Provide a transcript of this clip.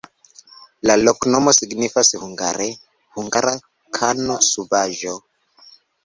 La loknomo signifas hungare: hungara-kano-subaĵo.